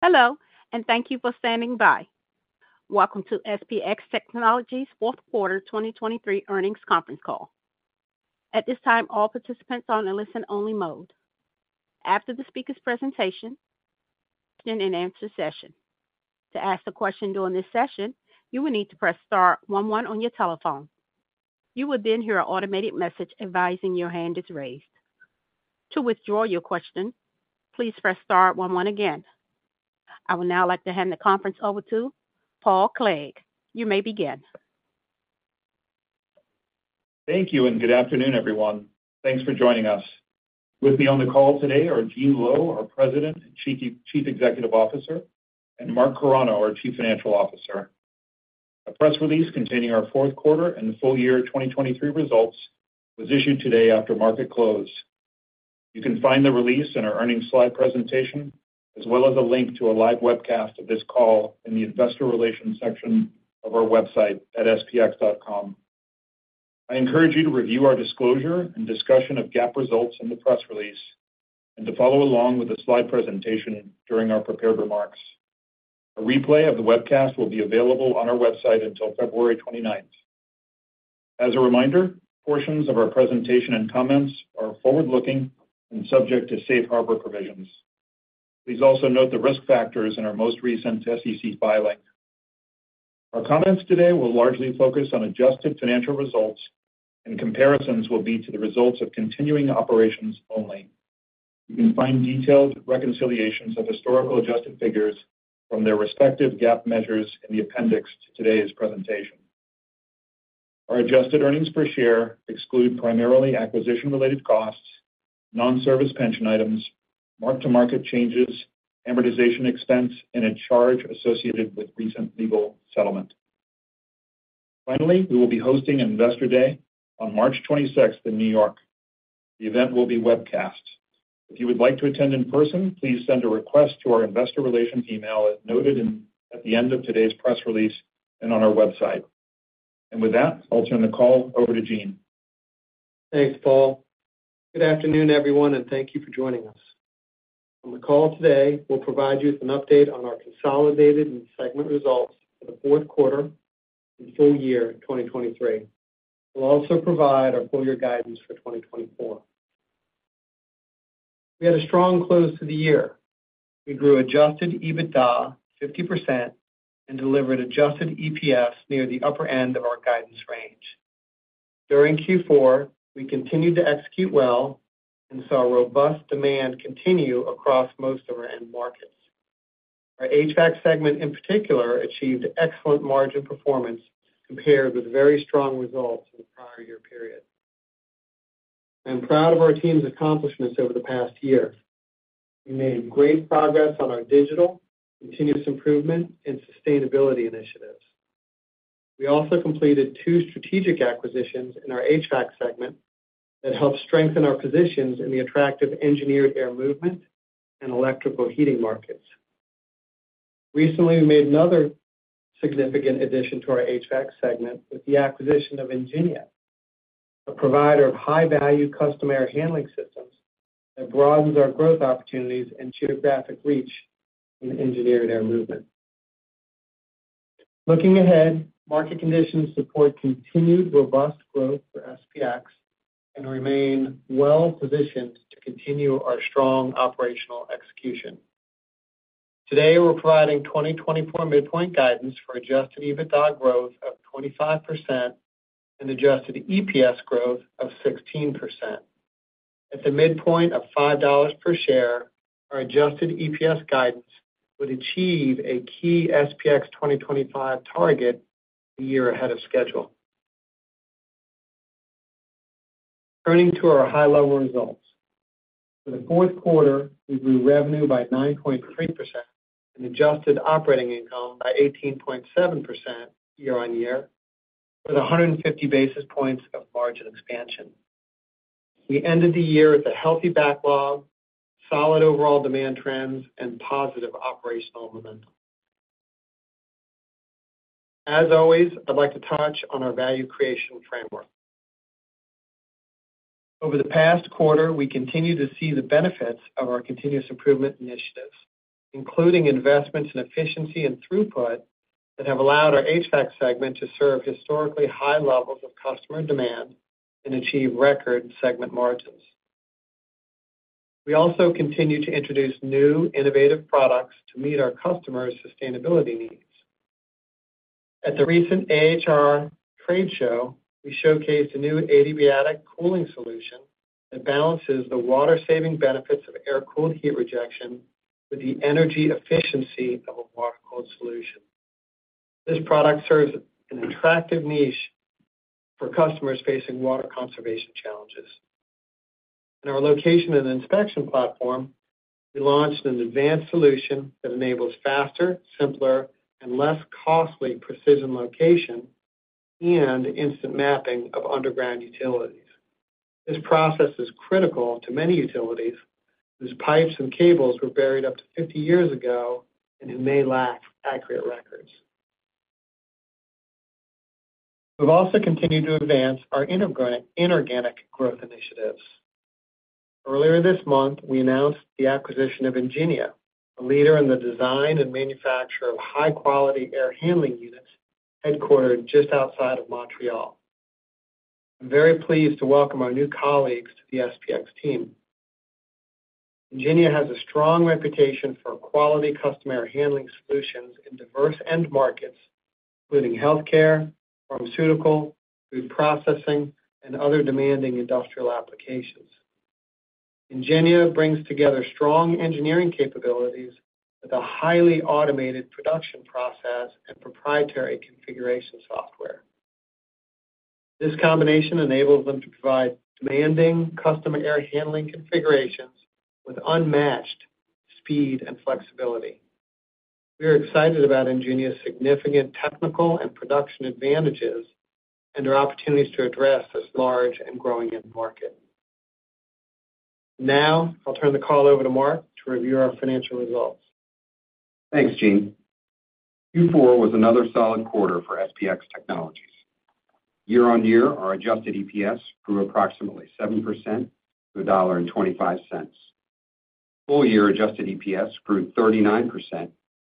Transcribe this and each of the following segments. Hello, and thank you for standing by. Welcome to SPX Technologies' fourth quarter 2023 earnings conference call. At this time, all participants are on a listen-only mode. After the speaker's presentation, question-and-answer session. To ask a question during this session, you will need to press star one one on your telephone. You will then hear an automated message advising your hand is raised. To withdraw your question, please press star one one again. I would now like to hand the conference over to Paul Clegg. You may begin. Thank you, and good afternoon, everyone. Thanks for joining us. With me on the call today are Gene Lowe, our President and Chief Executive Officer, and Mark Carano, our Chief Financial Officer. A press release containing our fourth quarter and the full year 2023 results was issued today after market close. You can find the release in our earnings slide presentation, as well as a link to a live webcast of this call in the Investor Relations section of our website at spx.com. I encourage you to review our disclosure and discussion of GAAP results in the press release, and to follow along with the slide presentation during our prepared remarks. A replay of the webcast will be available on our website until February 29th. As a reminder, portions of our presentation and comments are forward-looking and subject to safe harbor provisions. Please also note the risk factors in our most recent SEC filing. Our comments today will largely focus on adjusted financial results, and comparisons will be to the results of continuing operations only. You can find detailed reconciliations of historical adjusted figures from their respective GAAP measures in the appendix to today's presentation. Our adjusted earnings per share exclude primarily acquisition-related costs, non-service pension items, mark-to-market changes, amortization expense, and a charge associated with recent legal settlement. Finally, we will be hosting Investor Day on March 26th in New York. The event will be webcast. If you would like to attend in person, please send a request to our Investor Relations email as noted at the end of today's press release and on our website. With that, I'll turn the call over to Gene. Thanks, Paul. Good afternoon, everyone, and thank you for joining us. On the call today, we'll provide you with an update on our consolidated and segment results for the fourth quarter and full year 2023. We'll also provide our full-year guidance for 2024. We had a strong close to the year. We grew Adjusted EBITDA 50% and delivered Adjusted EPS near the upper end of our guidance range. During Q4, we continued to execute well and saw robust demand continue across most of our end markets. Our HVAC segment, in particular, achieved excellent margin performance compared with very strong results in the prior year period. I am proud of our team's accomplishments over the past year. We made great progress on our digital, continuous improvement, and sustainability initiatives. We also completed two strategic acquisitions in our HVAC segment that helped strengthen our positions in the attractive engineered air movement and electrical heating markets. Recently, we made another significant addition to our HVAC segment with the acquisition of Ingenia, a provider of high-value custom air handling systems that broadens our growth opportunities and geographic reach in engineered air movement. Looking ahead, market conditions support continued robust growth for SPX and remain well-positioned to continue our strong operational execution. Today, we're providing 2024 midpoint guidance for Adjusted EBITDA growth of 25% and Adjusted EPS growth of 16%. At the midpoint of $5 per share, our Adjusted EPS guidance would achieve a key SPX 2025 target a year ahead of schedule. Turning to our high-level results. For the fourth quarter, we grew revenue by 9.3% and adjusted operating income by 18.7% year-on-year, with 150 basis points of margin expansion. We ended the year with a healthy backlog, solid overall demand trends, and positive operational momentum. As always, I'd like to touch on our value creation framework. Over the past quarter, we continued to see the benefits of our continuous improvement initiatives, including investments in efficiency and throughput that have allowed our HVAC segment to serve historically high levels of customer demand and achieve record segment margins. We also continue to introduce new, innovative products to meet our customers' sustainability needs. At the recent AHR trade show, we showcased a new adiabatic cooling solution that balances the water-saving benefits of air-cooled heat rejection with the energy efficiency of a water-cooled solution. This product serves an attractive niche for customers facing water conservation challenges. In our location and inspection platform, we launched an advanced solution that enables faster, simpler, and less costly precision location and instant mapping of underground utilities. This process is critical to many utilities whose pipes and cables were buried up to 50 years ago and who may lack accurate records. We've also continued to advance our inorganic growth initiatives. Earlier this month, we announced the acquisition of Ingenia, a leader in the design and manufacture of high-quality air handling units headquartered just outside of Montreal. I'm very pleased to welcome our new colleagues to the SPX team. Ingenia has a strong reputation for quality custom air handling solutions in diverse end markets, including healthcare, pharmaceutical, food processing, and other demanding industrial applications. Ingenia brings together strong engineering capabilities with a highly automated production process and proprietary configuration software. This combination enables them to provide demanding custom air handling configurations with unmatched speed and flexibility. We are excited about Ingenia's significant technical and production advantages and our opportunities to address this large and growing end market. Now, I'll turn the call over to Mark to review our financial results. Thanks, Gene. Q4 was another solid quarter for SPX Technologies. year-on-year, our Adjusted EPS grew approximately 7% to $1.25. Full-year Adjusted EPS grew 39%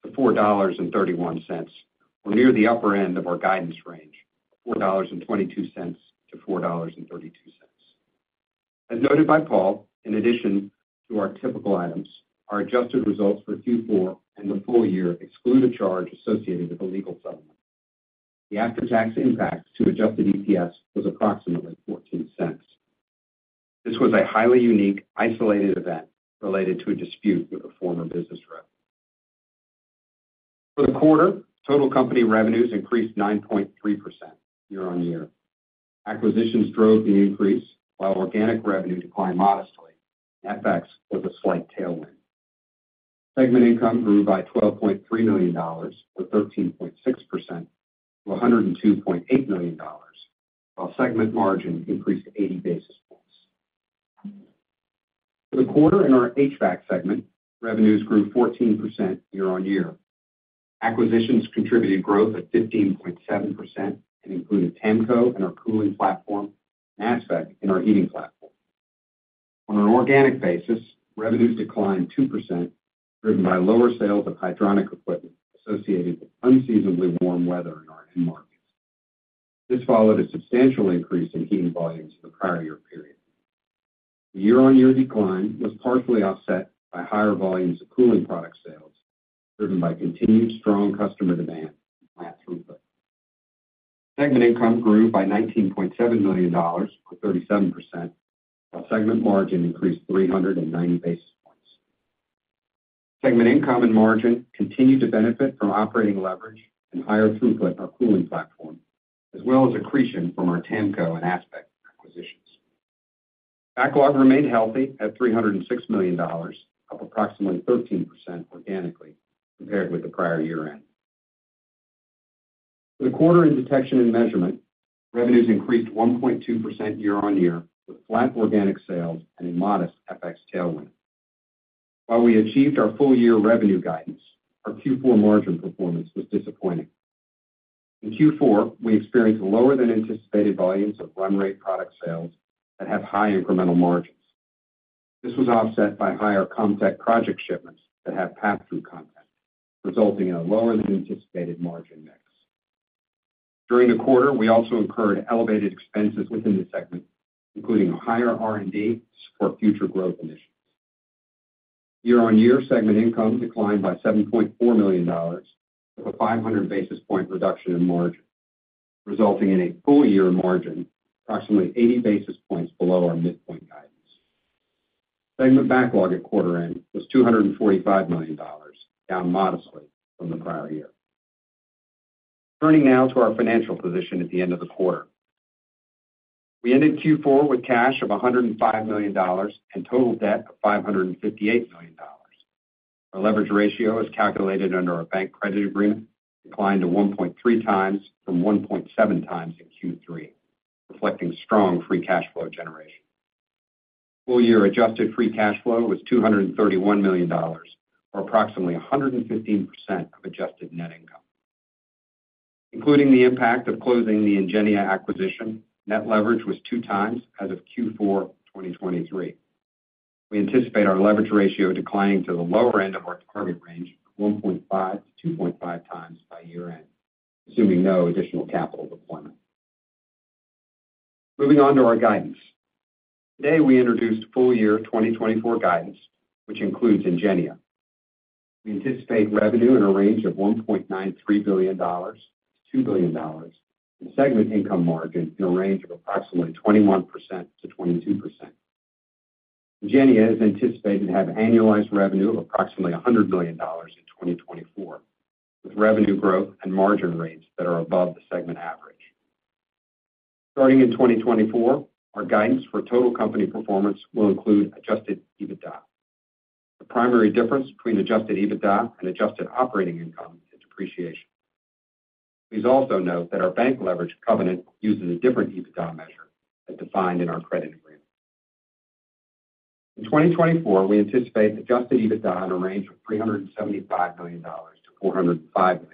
to $4.31, or near the upper end of our guidance range, $4.22-$4.32. As noted by Paul, in addition to our typical items, our adjusted results for Q4 and the full year exclude a charge associated with a legal settlement. The after-tax impact to Adjusted EPS was approximately $0.14. This was a highly unique, isolated event related to a dispute with a former business rep. For the quarter, total company revenues increased 9.3% year-on-year. Acquisitions drove the increase, while organic revenue declined modestly. FX was a slight tailwind. Segment income grew by $12.3 million, or 13.6%, to $102.8 million, while segment margin increased 80 basis points. For the quarter in our HVAC segment, revenues grew 14% year-on-year. Acquisitions contributed growth of 15.7% and included TAMCO in our cooling platform and ASPEQ in our heating platform. On an organic basis, revenues declined 2%, driven by lower sales of hydronic equipment associated with unseasonably warm weather in our end markets. This followed a substantial increase in heating volumes in the prior year period. The year-on-year decline was partially offset by higher volumes of cooling product sales, driven by continued strong customer demand and plant throughput. Segment income grew by $19.7 million, or 37%, while segment margin increased 390 basis points. Segment income and margin continued to benefit from operating leverage and higher throughput in our cooling platform, as well as accretion from our TAMCO and ASPEQ acquisitions. Backlog remained healthy at $306 million, up approximately 13% organically compared with the prior year-end. For the quarter in detection and measurement, revenues increased 1.2% year-on-year with flat organic sales and a modest FX tailwind. While we achieved our full-year revenue guidance, our Q4 margin performance was disappointing. In Q4, we experienced lower-than-anticipated volumes of run-rate product sales that have high incremental margins. This was offset by higher CommTech project shipments that have pass-through content, resulting in a lower-than-anticipated margin mix. During the quarter, we also incurred elevated expenses within the segment, including higher R&D to support future growth initiatives. Year-on-year, segment income declined by $7.4 million, with a 500 basis points reduction in margin, resulting in a full-year margin approximately 80 basis points below our midpoint guidance. Segment backlog at quarter-end was $245 million, down modestly from the prior year. Turning now to our financial position at the end of the quarter. We ended Q4 with cash of $105 million and total debt of $558 million. Our leverage ratio, as calculated under our bank credit agreement, declined to 1.3x from 1.7x in Q3, reflecting strong free cash flow generation. Full-year adjusted free cash flow was $231 million, or approximately 115% of adjusted net income. Including the impact of closing the Ingenia acquisition, net leverage was 2x as of Q4 2023. We anticipate our leverage ratio declining to the lower end of our target range of 1.5x-2.5x by year-end, assuming no additional capital deployment. Moving on to our guidance. Today, we introduced full-year 2024 guidance, which includes Ingenia. We anticipate revenue in a range of $1.93 billion-$2 billion, and segment income margin in a range of approximately 21%-22%. Ingenia is anticipated to have annualized revenue of approximately $100 million in 2024, with revenue growth and margin rates that are above the segment average. Starting in 2024, our guidance for total company performance will include Adjusted EBITDA. The primary difference between Adjusted EBITDA and adjusted operating income is depreciation. Please also note that our bank leverage covenant uses a different EBITDA measure as defined in our credit agreement. In 2024, we anticipate Adjusted EBITDA in a range of $375 million-$405 million.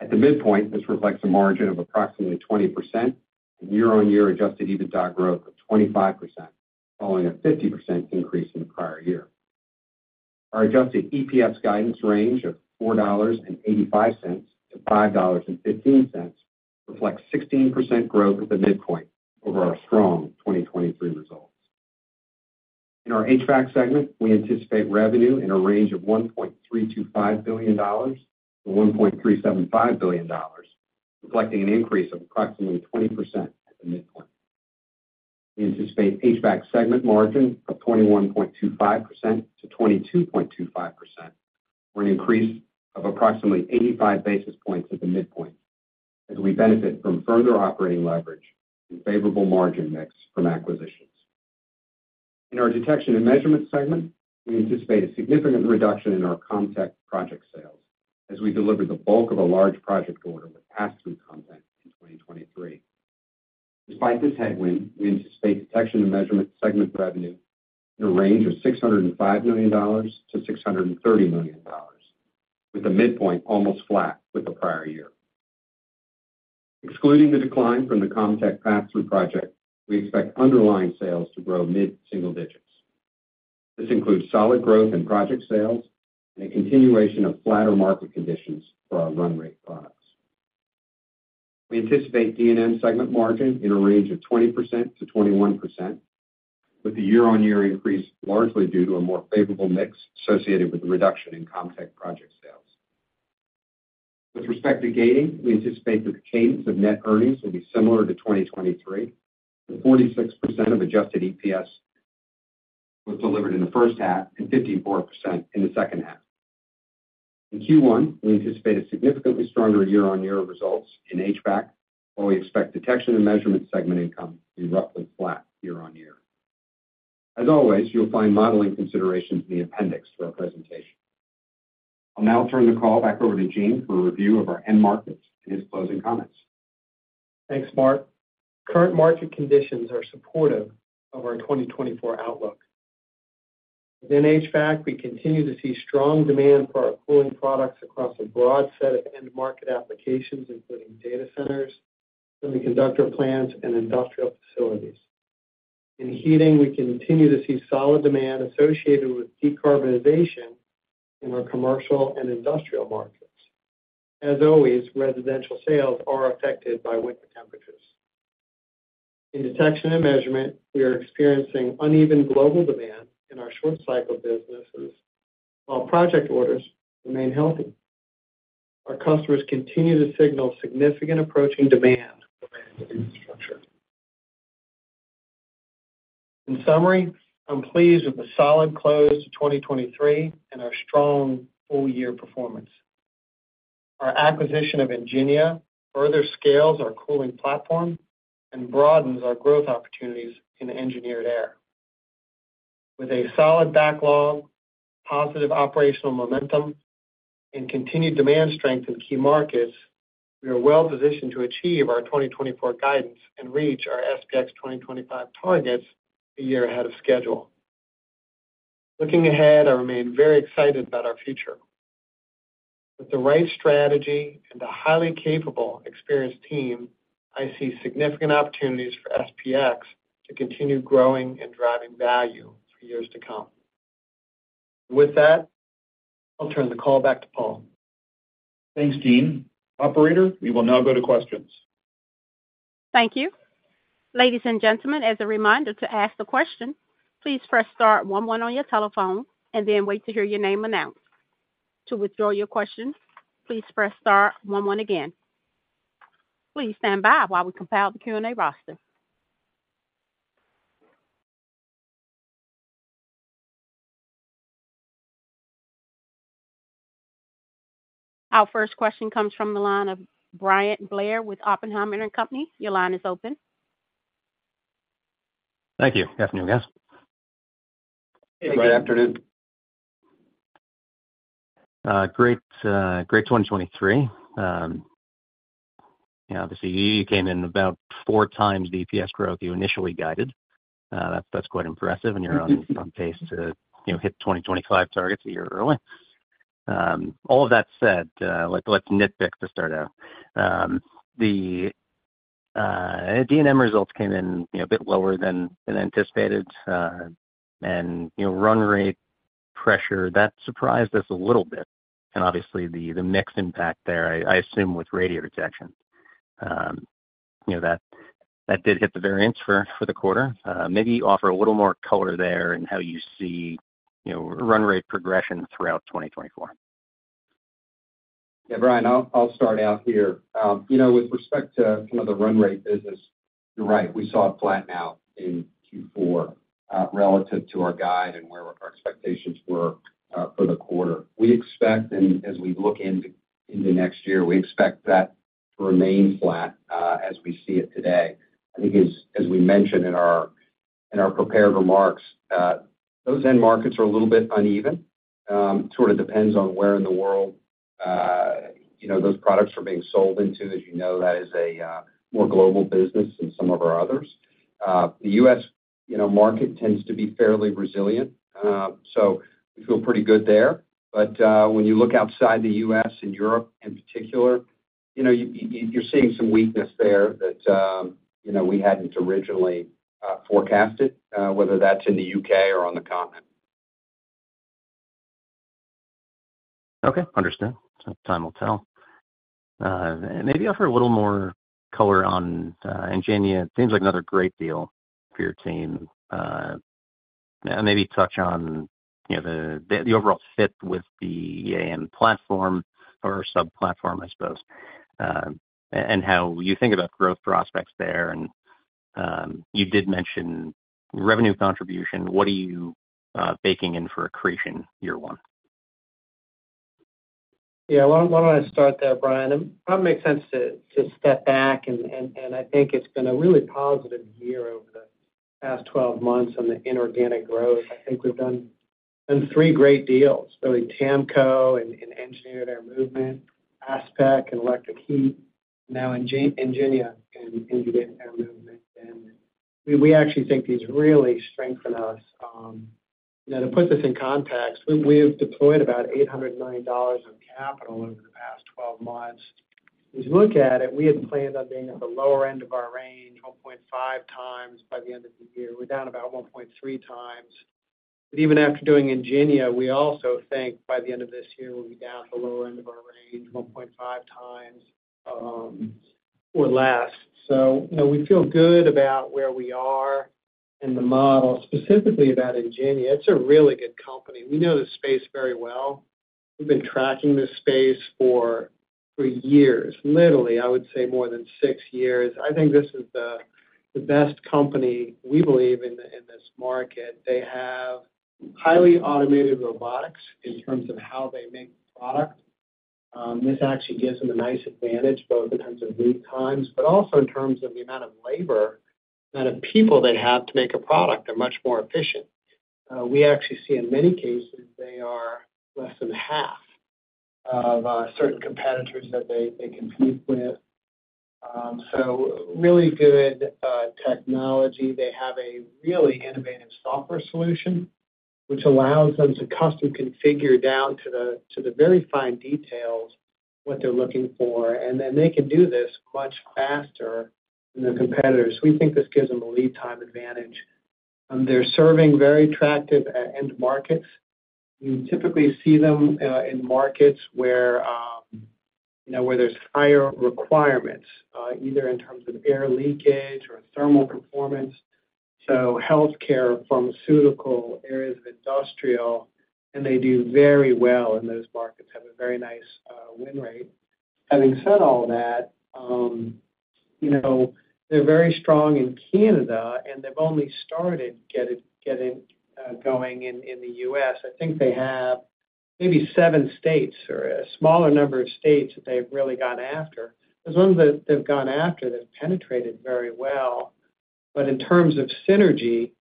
At the midpoint, this reflects a margin of approximately 20% and year-on-year Adjusted EBITDA growth of 25%, following a 50% increase in the prior year. Our Adjusted EPS guidance range of $4.85-$5.15 reflects 16% growth at the midpoint over our strong 2023 results. In our HVAC segment, we anticipate revenue in a range of $1.325 billion-$1.375 billion, reflecting an increase of approximately 20% at the midpoint. We anticipate HVAC segment margin of 21.25%-22.25%, or an increase of approximately 85 basis points at the midpoint, as we benefit from further operating leverage and favorable margin mix from acquisitions. In our detection and measurement segment, we anticipate a significant reduction in our CommTech project sales as we deliver the bulk of a large project order with pass-through content in 2023. Despite this headwind, we anticipate detection and measurement segment revenue in a range of $605 million-$630 million, with the midpoint almost flat with the prior year. Excluding the decline from the CommTech pass-through project, we expect underlying sales to grow mid-single digits. This includes solid growth in project sales and a continuation of flatter market conditions for our run-rate products. We anticipate D&M segment margin in a range of 20%-21%, with the year-on-year increase largely due to a more favorable mix associated with the reduction in CommTech project sales. With respect to GAAP, we anticipate that the cadence of net earnings will be similar to 2023, with 46% of Adjusted EPS delivered in the first half and 54% in the second half. In Q1, we anticipate a significantly stronger year-on-year results in HVAC, while we expect detection and measurement segment income to be roughly flat year-on-year. As always, you'll find modeling considerations in the appendix to our presentation. I'll now turn the call back over to Gene for a review of our end markets and his closing comments. Thanks, Mark. Current market conditions are supportive of our 2024 outlook. Within HVAC, we continue to see strong demand for our cooling products across a broad set of end market applications, including data centers, semiconductor plants, and industrial facilities. In heating, we continue to see solid demand associated with decarbonization in our commercial and industrial markets. As always, residential sales are affected by winter temperatures. In detection and measurement, we are experiencing uneven global demand in our short-cycle businesses, while project orders remain healthy. Our customers continue to signal significant approaching demand for management infrastructure. In summary, I'm pleased with the solid close to 2023 and our strong full-year performance. Our acquisition of Ingenia further scales our cooling platform and broadens our growth opportunities in engineered air. With a solid backlog, positive operational momentum, and continued demand strength in key markets, we are well-positioned to achieve our 2024 guidance and reach our SPX 2025 targets a year ahead of schedule. Looking ahead, I remain very excited about our future. With the right strategy and a highly capable, experienced team, I see significant opportunities for SPX to continue growing and driving value for years to come. With that, I'll turn the call back to Paul. Thanks, Gene. Operator, we will now go to questions. Thank you. Ladies and gentlemen, as a reminder to ask the question, please press star one one on your telephone and then wait to hear your name announced. To withdraw your question, please press star one one again. Please stand by while we compile the Q&A roster. Our first question comes from the line of Bryan Blair with Oppenheimer & Company. Your line is open. Thank you. Good afternoon, guys. Hey, Bryan. Good afternoon. Great 2023. Yeah, obviously, you came in about 4x the EPS growth you initially guided. That's quite impressive, and you're on pace to hit 2025 targets a year early. All of that said, let's nitpick to start out. The D&M results came in a bit lower than anticipated, and run-rate pressure, that surprised us a little bit. And obviously, the mix impact there, I assume with Radiodetection, that did hit the variance for the quarter. Maybe offer a little more color there in how you see run-rate progression throughout 2024. Yeah, Bryan, I'll start out here. With respect to kind of the run-rate business, you're right. We saw it flatten out in Q4 relative to our guide and where our expectations were for the quarter. As we look into next year, we expect that to remain flat as we see it today. I think, as we mentioned in our prepared remarks, those end markets are a little bit uneven. Sort of depends on where in the world those products are being sold into. As you know, that is a more global business than some of our others. The U.S. market tends to be fairly resilient, so we feel pretty good there. But when you look outside the U.S. and Europe in particular, you're seeing some weakness there that we hadn't originally forecasted, whether that's in the U.K. or on the continent. Okay. Understood. Time will tell. Maybe offer a little more color on Ingenia. It seems like another great deal for your team. Maybe touch on the overall fit with the EAM platform or subplatform, I suppose, and how you think about growth prospects there. You did mention revenue contribution. What are you baking in for accretion year one? Yeah. Why don't I start there, Bryan? It probably makes sense to step back. And I think it's been a really positive year over the past 12 months on the inorganic growth. I think we've done three great deals, really: TAMCO and engineered air movement, ASPEQ and electric heat, now Ingenia and engineered air movement. And we actually think these really strengthen us. To put this in context, we have deployed about $800 million of capital over the past 12 months. As you look at it, we had planned on being at the lower end of our range, 1.5x by the end of the year. We're down about 1.3x. But even after doing Ingenia, we also think by the end of this year, we'll be down at the lower end of our range, 1.5x or less. So we feel good about where we are in the model, specifically about Ingenia. It's a really good company. We know this space very well. We've been tracking this space for years, literally, I would say more than six years. I think this is the best company, we believe, in this market. They have highly automated robotics in terms of how they make product. This actually gives them a nice advantage, both in terms of lead times but also in terms of the amount of labor, amount of people they have to make a product. They're much more efficient. We actually see, in many cases, they are less than half of certain competitors that they compete with. So really good technology. They have a really innovative software solution, which allows them to custom configure down to the very fine details what they're looking for. And then they can do this much faster than their competitors. We think this gives them a lead time advantage. They're serving very attractive end markets. You typically see them in markets where there's higher requirements, either in terms of air leakage or thermal performance, so healthcare, pharmaceutical, areas of industrial. And they do very well in those markets, have a very nice win rate. Having said all that, they're very strong in Canada, and they've only started getting going in the U.S. I think they have maybe seven states or a smaller number of states that they've really gone after. There's ones that they've gone after. They've penetrated very well. But in terms of synergy,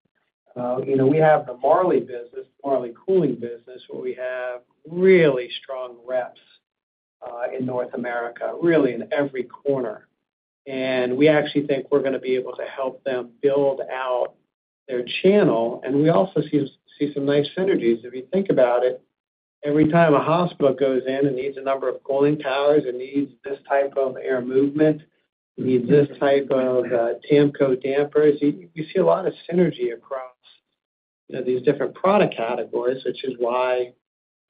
we have the Marley business, the Marley cooling business, where we have really strong reps in North America, really in every corner. We actually think we're going to be able to help them build out their channel. We also see some nice synergies. If you think about it, every time a hospital goes in and needs a number of cooling towers and needs this type of air movement, needs this type of TAMCO dampers, we see a lot of synergy across these different product categories, which is why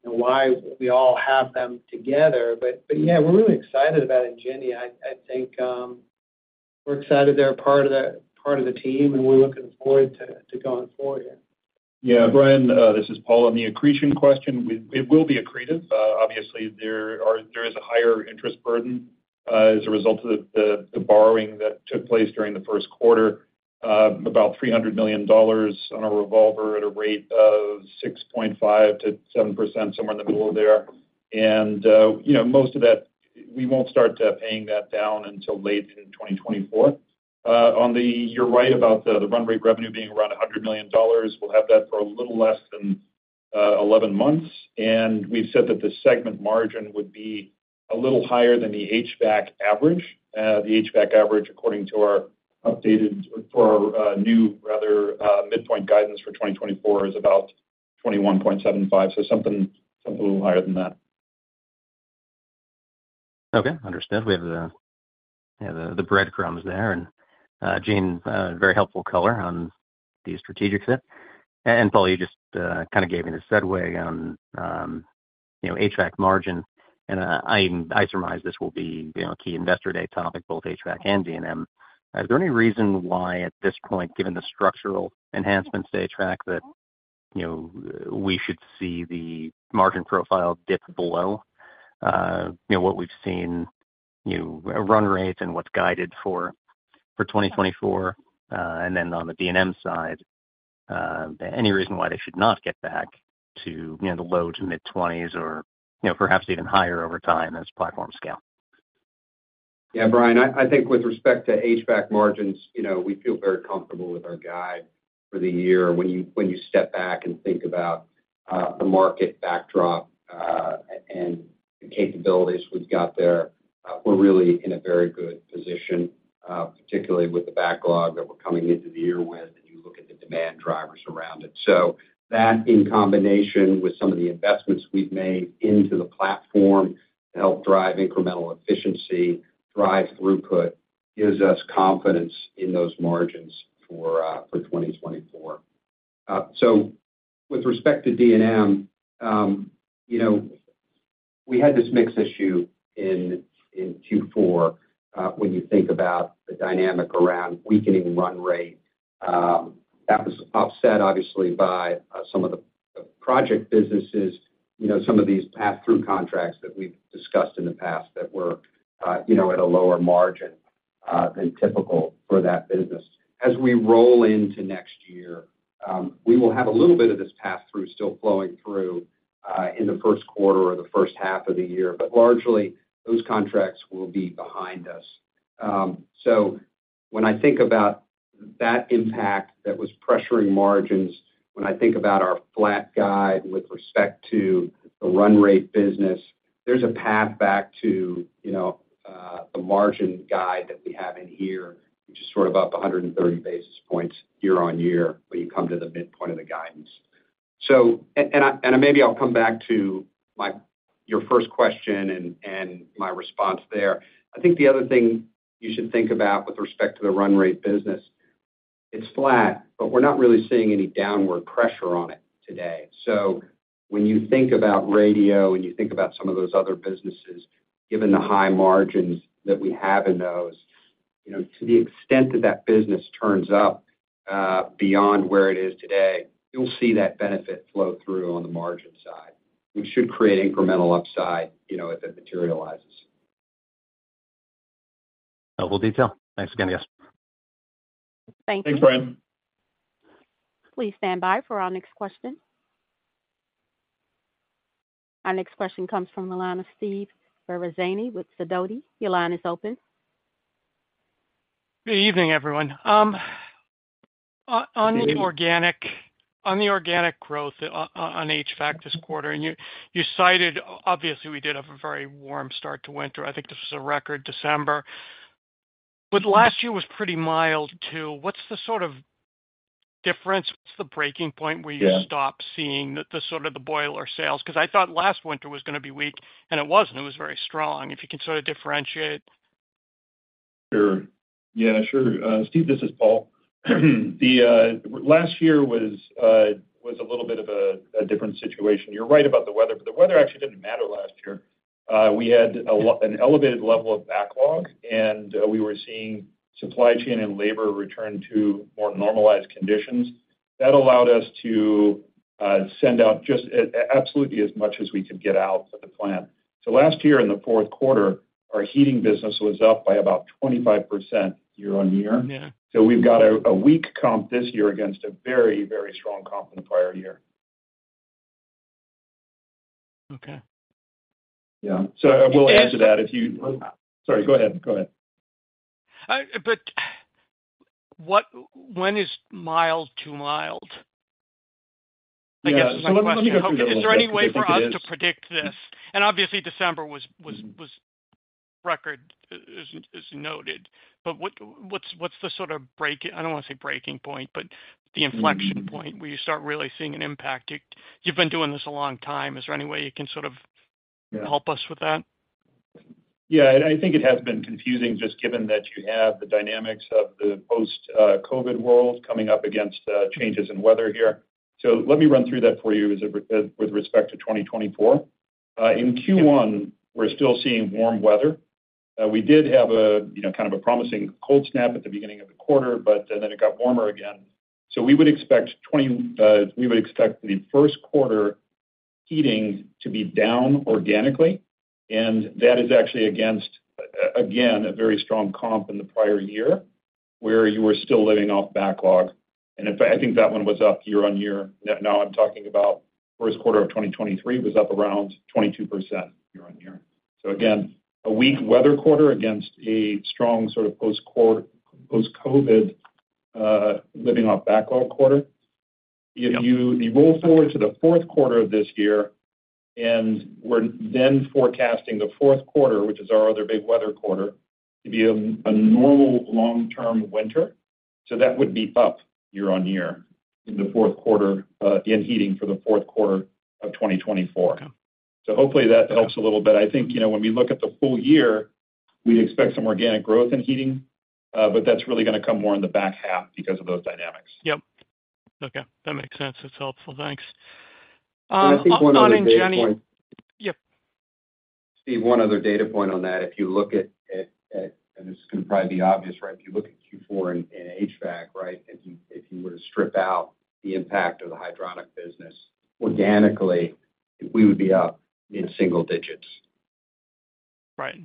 we all have them together. But yeah, we're really excited about Ingenia. I think we're excited they're a part of the team, and we're looking forward to going forward here. Yeah, Bryan, this is Paul on the accretion question. It will be accretive. Obviously, there is a higher interest burden as a result of the borrowing that took place during the first quarter, about $300 million on a revolver at a rate of 6.5%-7%, somewhere in the middle of there. And most of that, we won't start paying that down until late in 2024. You're right about the run-rate revenue being around $100 million. We'll have that for a little less than 11 months. And we've said that the segment margin would be a little higher than the HVAC average. The HVAC average, according to our updated or for our new, rather, midpoint guidance for 2024, is about 21.75%, so something a little higher than that. Okay. Understood. We have the breadcrumbs there. And Gene, very helpful color on the strategic fit. And Paul, you just kind of gave me the segue on HVAC margin. And I surmise this will be a key investor day topic, both HVAC and D&M. Is there any reason why, at this point, given the structural enhancements to HVAC, that we should see the margin profile dip below what we've seen, run rates, and what's guided for 2024? And then on the D&M side, any reason why they should not get back to the low- to mid-20s or perhaps even higher over time as platform scale? Yeah, Bryan, I think with respect to HVAC margins, we feel very comfortable with our guide for the year. When you step back and think about the market backdrop and the capabilities we've got there, we're really in a very good position, particularly with the backlog that we're coming into the year with and you look at the demand drivers around it. So that, in combination with some of the investments we've made into the platform to help drive incremental efficiency, drive throughput, gives us confidence in those margins for 2024. So with respect to D&M, we had this mix issue in Q4 when you think about the dynamic around weakening run rate. That was upset, obviously, by some of the project businesses, some of these pass-through contracts that we've discussed in the past that were at a lower margin than typical for that business. As we roll into next year, we will have a little bit of this pass-through still flowing through in the first quarter or the first half of the year. But largely, those contracts will be behind us. So when I think about that impact that was pressuring margins, when I think about our flat guide with respect to the run-rate business, there's a path back to the margin guide that we have in here, which is sort of up 130 basis points year-over-year when you come to the midpoint of the guidance. And maybe I'll come back to your first question and my response there. I think the other thing you should think about with respect to the run-rate business, it's flat, but we're not really seeing any downward pressure on it today. So when you think about radio and you think about some of those other businesses, given the high margins that we have in those, to the extent that that business turns up beyond where it is today, you'll see that benefit flow through on the margin side, which should create incremental upside if it materializes. Helpful detail. Thanks again, guys. Thank you. Thanks, Bryant. Please stand by for our next question. Our next question comes from the line of Steve Ferazani with Sidoti. Your line is open. Good evening, everyone. On the organic growth on HVAC this quarter, and you cited, obviously, we did have a very warm start to winter. I think this was a record December. But last year was pretty mild too. What's the sort of difference? What's the breaking point where you stopped seeing sort of the boiler sales? Because I thought last winter was going to be weak, and it wasn't. It was very strong. If you can sort of differentiate. Sure. Yeah, sure. Steve, this is Paul. Last year was a little bit of a different situation. You're right about the weather, but the weather actually didn't matter last year. We had an elevated level of backlog, and we were seeing supply chain and labor return to more normalized conditions. That allowed us to send out just absolutely as much as we could get out for the plant. So last year, in the fourth quarter, our heating business was up by about 25% year-on-year. So we've got a weak comp this year against a very, very strong comp in the prior year. Okay. Yeah. So we'll add to that if you sorry, go ahead. Go ahead. When is mild too mild? I guess that's the question. Yeah. Let me go through that question. Is there any way for us to predict this? Obviously, December was record, as noted. But what's the sort of breaking I don't want to say breaking point, but the inflection point where you start really seeing an impact? You've been doing this a long time. Is there any way you can sort of help us with that? Yeah. I think it has been confusing just given that you have the dynamics of the post-COVID world coming up against changes in weather here. So let me run through that for you with respect to 2024. In Q1, we're still seeing warm weather. We did have kind of a promising cold snap at the beginning of the quarter, but then it got warmer again. So we would expect, we would expect the first quarter heating to be down organically. And that is actually against, again, a very strong comp in the prior year where you were still living off backlog. And in fact, I think that one was up year-on-year. Now I'm talking about first quarter of 2023 was up around 22% year-on-year. So again, a weak weather quarter against a strong sort of post-COVID living off backlog quarter. If you roll forward to the fourth quarter of this year and we're then forecasting the fourth quarter, which is our other big weather quarter, to be a normal long-term winter, so that would be up year-on-year in the heating for the fourth quarter of 2024. So hopefully, that helps a little bit. I think when we look at the full year, we'd expect some organic growth in heating, but that's really going to come more in the back half because of those dynamics. Yep. Okay. That makes sense. It's helpful. Thanks. On Ingenia. I think one other data point. Yep. Steve, one other data point on that. If you look at and this is going to probably be obvious, right? If you look at Q4 in HVAC, right, if you were to strip out the impact of the hydronic business organically, we would be up in single digits. Right.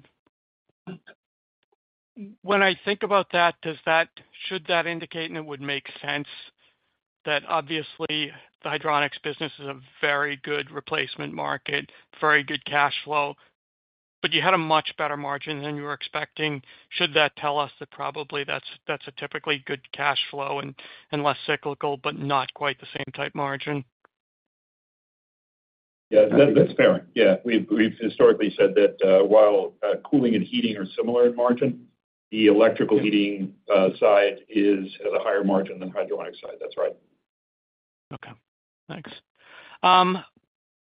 When I think about that, should that indicate and it would make sense that obviously, the hydronics business is a very good replacement market, very good cash flow, but you had a much better margin than you were expecting? Should that tell us that probably that's a typically good cash flow and less cyclical but not quite the same type margin? Yeah. That's fair. Yeah. We've historically said that while cooling and heating are similar in margin, the electrical heating side has a higher margin than the hydronic side. That's right. Okay. Thanks.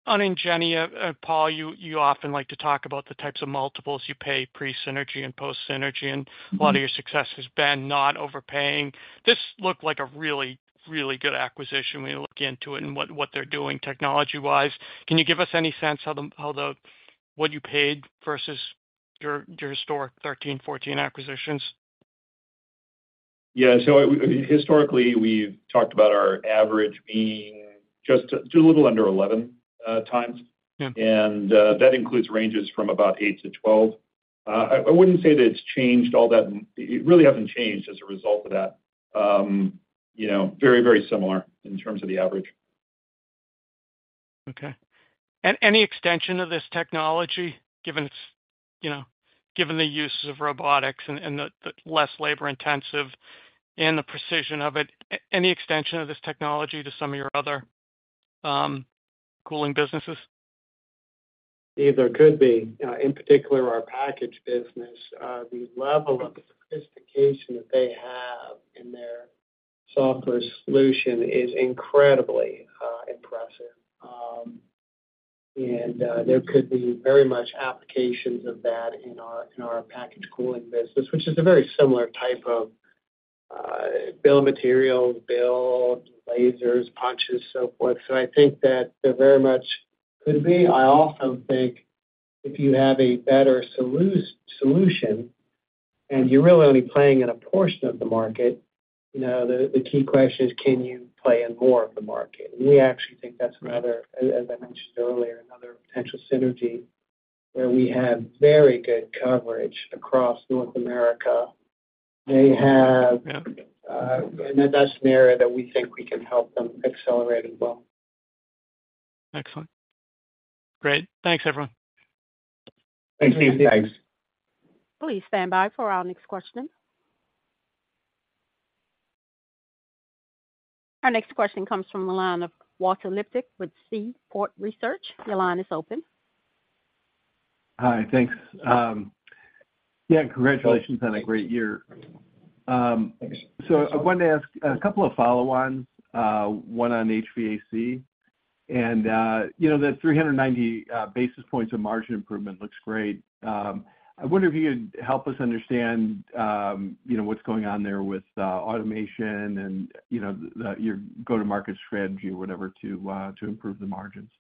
On Ingenia, Paul, you often like to talk about the types of multiples you pay pre-synergy and post-synergy, and a lot of your success has been not overpaying. This looked like a really, really good acquisition when you look into it and what they're doing technology-wise. Can you give us any sense of what you paid versus your historic 13, 14 acquisitions? Yeah. So historically, we've talked about our average being just a little under 11 times. That includes ranges from about 8-12. I wouldn't say that it's changed all that. It really hasn't changed as a result of that. Very, very similar in terms of the average. Okay. And any extension of this technology, given the use of robotics and the less labor-intensive and the precision of it, any extension of this technology to some of your other cooling businesses? Steve, there could be. In particular, our package business, the level of sophistication that they have in their software solution is incredibly impressive. And there could be very much applications of that in our package cooling business, which is a very similar type of bill materials, build, lasers, punches, so forth. So I think that there very much could be. I also think if you have a better solution and you're really only playing in a portion of the market, the key question is, can you play in more of the market? And we actually think that's another, as I mentioned earlier, another potential synergy where we have very good coverage across North America. And that's an area that we think we can help them accelerate as well. Excellent. Great. Thanks, everyone. Thanks, Steve. Thanks. Please stand by for our next question. Our next question comes from the line of Walter Liptak with Seaport Research Partners. Your line is open. Hi. Thanks. Yeah. Congratulations on a great year. So I wanted to ask a couple of follow-ons, one on HVAC. And that 390 basis points of margin improvement looks great. I wonder if you could help us understand what's going on there with automation and your go-to-market strategy, whatever, to improve the margins.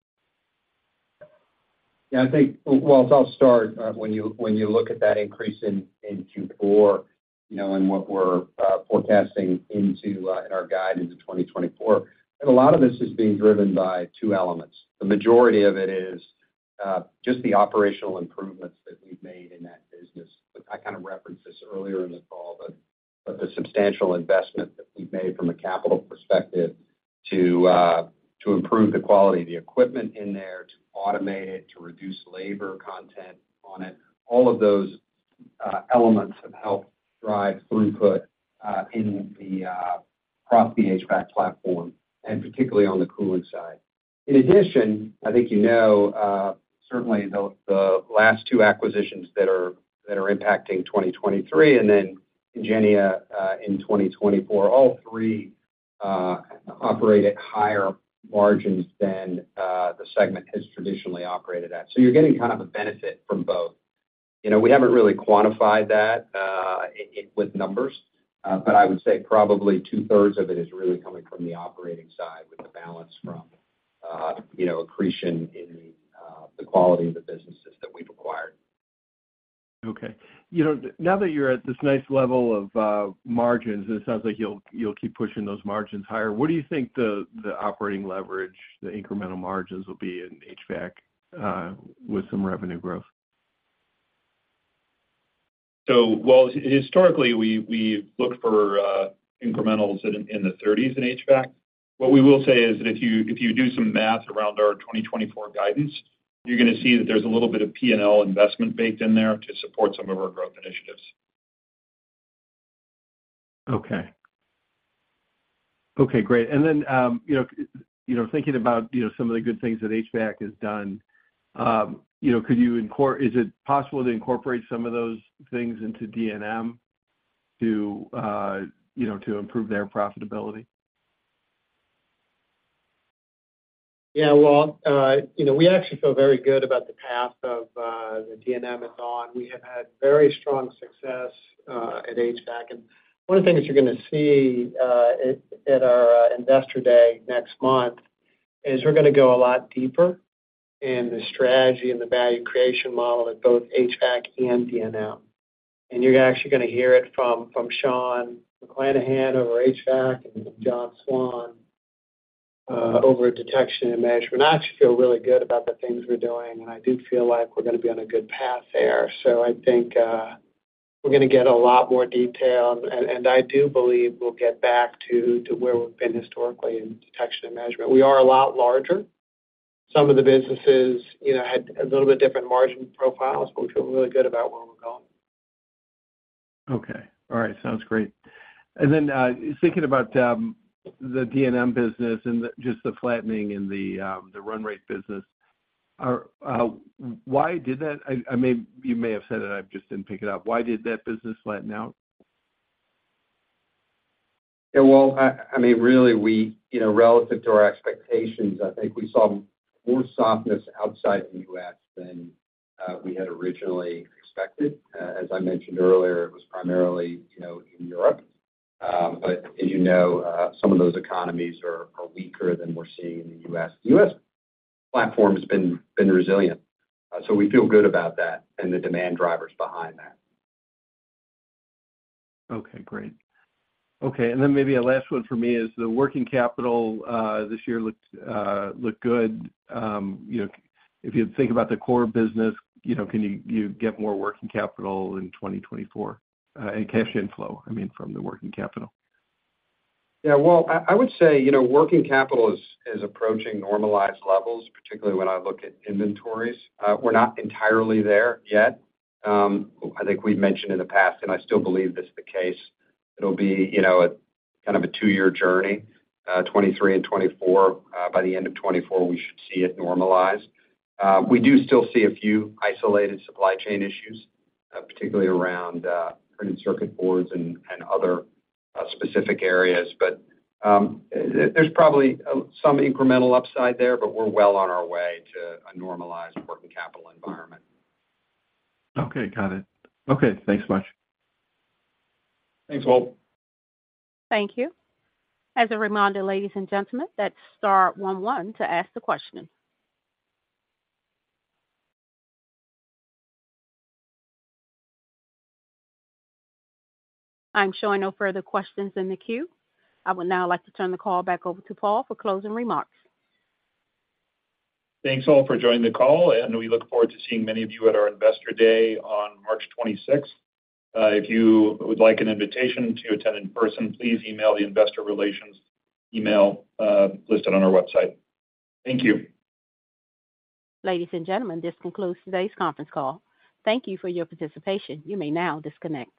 Yeah. I think, Walt, I'll start. When you look at that increase in Q4 and what we're forecasting in our guide into 2024, I think a lot of this is being driven by two elements. The majority of it is just the operational improvements that we've made in that business. I kind of referenced this earlier in the call, but the substantial investment that we've made from a capital perspective to improve the quality of the equipment in there, to automate it, to reduce labor content on it. All of those elements have helped drive throughput across the HVAC platform and particularly on the cooling side. In addition, I think you know, certainly, the last two acquisitions that are impacting 2023 and then Ingenia in 2024, all three operate at higher margins than the segment has traditionally operated at. So you're getting kind of a benefit from both. We haven't really quantified that with numbers, but I would say probably 2/3 of it is really coming from the operating side with the balance from accretion in the quality of the businesses that we've acquired. Okay. Now that you're at this nice level of margins, and it sounds like you'll keep pushing those margins higher, what do you think the operating leverage, the incremental margins will be in HVAC with some revenue growth? Well, historically, we've looked for incrementals in the 30s in HVAC. What we will say is that if you do some math around our 2024 guidance, you're going to see that there's a little bit of P&L investment baked in there to support some of our growth initiatives. Okay. Okay. Great. And then, thinking about some of the good things that HVAC has done, is it possible to incorporate some of those things into D&M to improve their profitability? Yeah. Well, we actually feel very good about the path of the D&M is on. We have had very strong success at HVAC. And one of the things you're going to see at our investor day next month is we're going to go a lot deeper in the strategy and the value creation model at both HVAC and D&M. And you're actually going to hear it from Sean McClenaghan over HVAC and John Swann over detection and measurement. I actually feel really good about the things we're doing. And I do feel like we're going to be on a good path there. So I think we're going to get a lot more detail. And I do believe we'll get back to where we've been historically in detection and measurement. We are a lot larger. Some of the businesses had a little bit different margin profiles, but we feel really good about where we're going. Okay. All right. Sounds great. And then, thinking about the D&M business and just the flattening in the run-rate business, why did that? You may have said it. I just didn't pick it up. Why did that business flatten out? Yeah. Well, I mean, really, relative to our expectations, I think we saw more softness outside the U.S. than we had originally expected. As I mentioned earlier, it was primarily in Europe. But as you know, some of those economies are weaker than we're seeing in the U.S. The U.S. platform has been resilient. So we feel good about that and the demand drivers behind that. Okay. Great. Okay. Maybe a last one for me is the working capital this year looked good. If you think about the core business, can you get more working capital in 2024 and cash inflow, I mean, from the working capital? Yeah. Well, I would say working capital is approaching normalized levels, particularly when I look at inventories. We're not entirely there yet. I think we've mentioned in the past, and I still believe this is the case, it'll be kind of a two-year journey, 2023 and 2024. By the end of 2024, we should see it normalized. We do still see a few isolated supply chain issues, particularly around printed circuit boards and other specific areas. But there's probably some incremental upside there, but we're well on our way to a normalized working capital environment. Okay. Got it. Okay. Thanks much. Thanks, Walt. Thank you. As a reminder, ladies and gentlemen, that's star one one to ask the question. I'm showing no further questions in the queue. I would now like to turn the call back over to Paul for closing remarks. Thanks, all, for joining the call. We look forward to seeing many of you at our Investor Day on March 26th. If you would like an invitation to attend in person, please email the Investor Relations email listed on our website. Thank you. Ladies and gentlemen, this concludes today's conference call. Thank you for your participation. You may now disconnect.